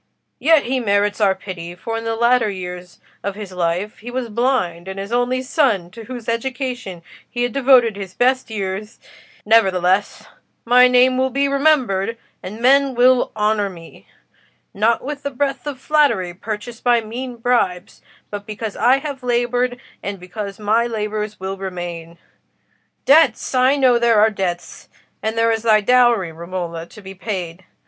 Yet he merits our pity, for in the latter years of his life he was blind, and his only son, to whose education he had devoted his best years—' Nevertheless, my name will be remembered, and men will honour me: not with the breath of flattery, purchased by mean bribes, but because I have laboured, and because my labours will remain. Debts! I know there are debts; and there is thy dowry, Romola, to be paid.